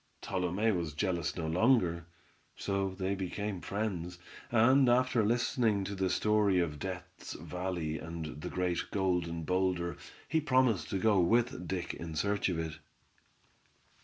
Tolume was jealous no longer; so they became friends, and after listening to the story of Death's Valley and the great Golden Boulder, he promised to go with Dick in search of it.